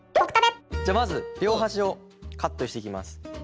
じゃあまず両端をカットしていきます。